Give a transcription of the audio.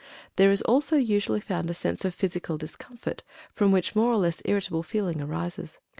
There is also usually found a sense of physical discomfort, from which more or less irritable feeling arises.